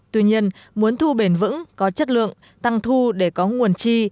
tuy nhiên muốn thu bền vững có chất lượng tăng thu để có nguồn chi